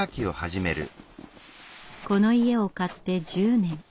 この家を買って１０年。